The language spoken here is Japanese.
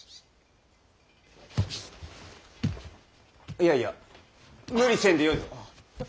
いやいや無理せんでよいぞ。